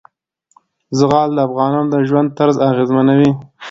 زغال د افغانانو د ژوند طرز اغېزمنوي.